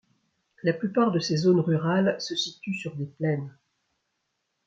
La plupart de ses zones rurales se situent sur des plaines.